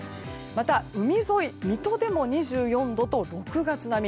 また海沿い、水戸でも２４度と６月並み。